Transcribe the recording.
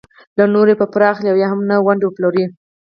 له نورو یې په پور اخلي او یا هم ونډې پلوري.